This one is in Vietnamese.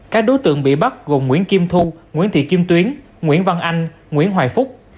các đối tượng bị bắt gồm nguyễn kim thu nguyễn thị kim tuyến nguyễn văn anh nguyễn hoài phúc